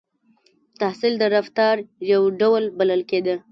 • تحصیل د رفتار یو ډول بلل کېده.